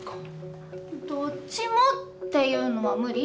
どっちもっていうのは無理？